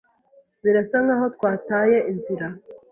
Birasa nkaho twataye inzira.